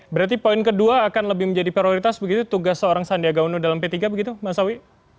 berarti poin kedua akan lebih menjadi prioritas begitu tugas seorang sandiaga uno dalam p tiga begitu mas sawi